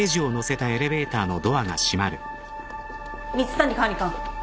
蜜谷管理官。